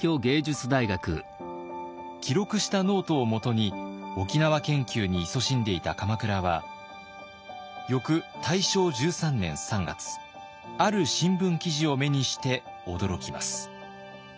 記録したノートをもとに沖縄研究にいそしんでいた鎌倉は翌大正１３年３月ある新聞記事を目にして驚きます。